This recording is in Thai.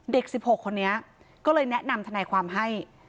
๑๖คนนี้ก็เลยแนะนำทนายความให้